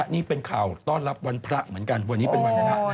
นี่ไงยาเสพติด